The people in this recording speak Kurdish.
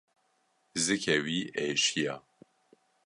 Zikê wî êşiya.